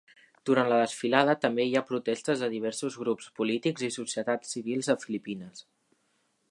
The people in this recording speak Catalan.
Durant la desfilada també hi ha protestes de diversos grups polítics i societats civils de Filipines.